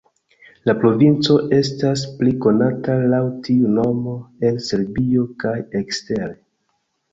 La provinco estas pli konata laŭ tiu nomo en Serbio kaj ekstere.